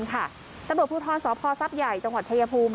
ตำรวจผู้ท้อนสพทรัพย์ใหญ่จังหวัดชัยภูมิ